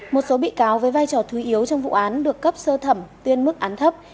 một số bị cáo với vai trò thú yếu trong vụ án được cấp sơ thẩm tuyên mức án thấp